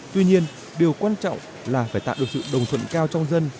tuy nhiên điều quan trọng là phải tạo được sự đồng thuận cao trong dân